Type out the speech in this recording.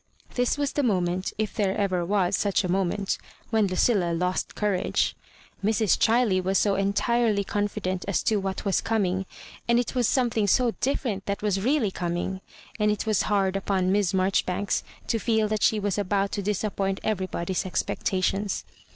This was the moment, if there ever was such a moment, when Lucilla lost courage. Mrs. Ohiley was so entirely confident as to what yras coming, and it was something so different tiiat was really coming; and it was hard upon Miss Marjoribanks to feel that she was about to dis appoint everybody's expectations.